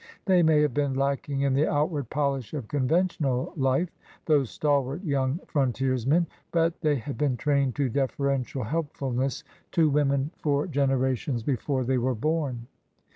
They may have been lacking in the outward polish of conventional life, those stalwart young frontiersmen, but they had been trained to deferential helpfulness to women for gen erations before they were born.